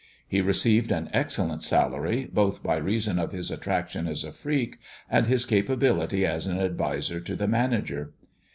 He received an excellent salary, both by reason of his attraction as a freak and his capability as an adviser to the manager.